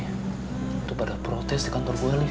itu pada protes di kantor gue lagi